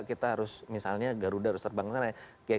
kita harus misalnya garuda harus terbang ke sana ya